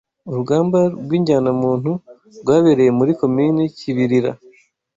urugamba rw’injyanamuntu rwabereye muri Komini Kibilira